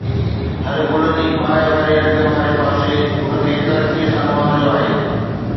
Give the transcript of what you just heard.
هر گل جي باهه واري رنگ واري پاسي ان کي ترقي سان نوازيو آهي